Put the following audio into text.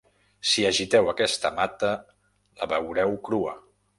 Si agiteu aquesta mata la veureu crua.